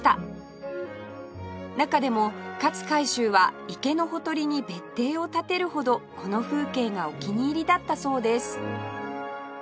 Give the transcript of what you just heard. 中でも勝海舟は池のほとりに別邸を建てるほどこの風景がお気に入りだったそうです